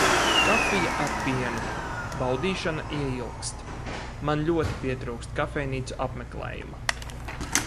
Kafija ar pienu. Baudīšana ieilgst. Man ļoti pietrūkst kafejnīcu apmeklējuma.